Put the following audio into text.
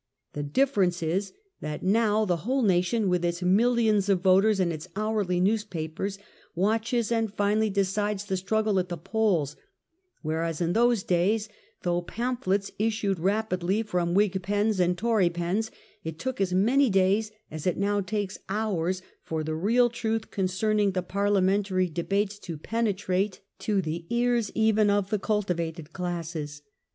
The difference is that, now, the whole nation, with its millions of voters and its hourly newspapers, watches, and finally decides the struggle at the polls; whereas in those days, though pam phlets issued rapidly from Whig pens and Tory pens, it took as many days as it now takes hours for the real truth concerning the parliamentary debates to penetrate to the Il8 THE SUCCESSION QUESTION. ears even of the cultivated classes.